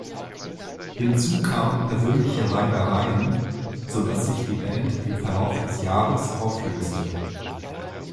Hinzu kamen persönliche Reibereien, so dass sich die Band im Verlauf des Jahres auflöste.